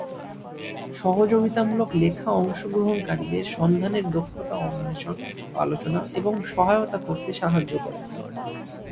সহযোগিতামূলক লেখা অংশগ্রহণকারীদের সন্ধানের দক্ষতা অন্বেষণ, আলোচনা এবং সহায়তা করতে সাহায্য করে।